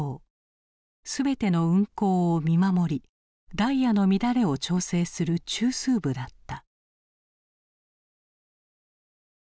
全ての運行を見守りダイヤの乱れを調整する中枢部だった。